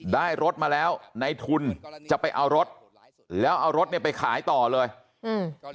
ได้รถมาแล้วในทุนจะไปเอารถแล้วเอารถเนี้ยไปขายต่อเลยอืม